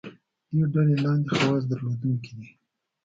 دې ډلې لاندې خواص درلودونکي دي.